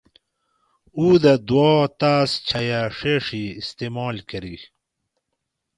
اُو دہ دوا تاس چھیہ ڛیڛی استعمال کرئ